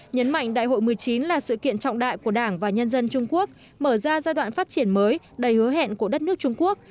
nhấn mạnh đại hội một mươi chín là sự kiện trọng đại của đảng và nhân dân trung quốc mở ra giai đoạn phát triển mới đầy hứa hẹn của đất nước trung quốc